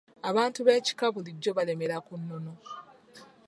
Abantu b'ekika bulijjo balemera ku nnono.